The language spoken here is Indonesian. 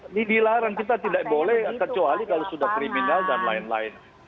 ini dilarang kita tidak boleh kecuali kalau sudah kriminal dan lain lain